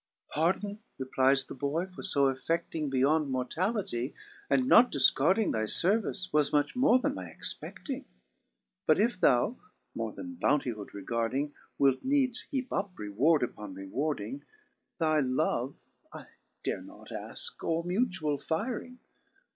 *' 2. ^' Pardon," replies the boy, " for fo afFcfting Beyond mortallity, and not difcarding Thy fervice, was much more than my expefting ; But if thou (more thy bounty hood regarding) Wilt needs heap up reward upon rewarding. Thy love I dare not aike, or mutual firing.